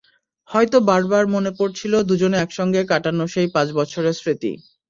হয়তো বারবার মনে পড়ছিল দুজনে একসঙ্গে কাটানো সেই পাঁচ বছরের স্মৃতি।